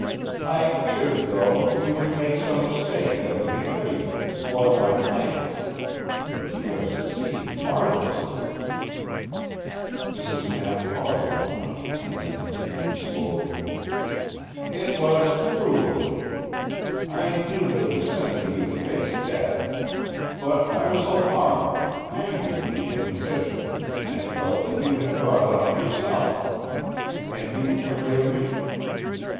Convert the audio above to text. I feared, though, you would make some mistake that would betray you and spoil my plans. But you have succeeded marvelously." Mrs. Knapp paused a moment and then continued slowly. "It was cruel of me. I knew that it was sending you to face death. But I was alarmed, angry at the imposition, and felt that you had brought it on yourself. Can you forgive me?"